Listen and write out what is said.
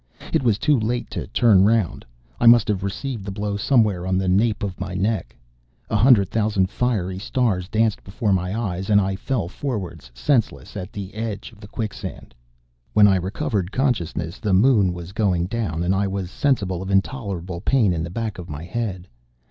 It was too late to turn round. I must have received the blow somewhere on the nape of my neck. A hundred thousand fiery stars danced before my eyes, and I fell forwards senseless at the edge of, the quicksand. When I recovered consciousness, the Moon was going down, and I was sensible of intolerable pain in the back of my head.